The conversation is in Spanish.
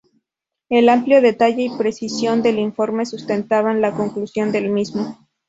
El amplio detalle y precisión del informe, sustentaban la conclusión del mismo.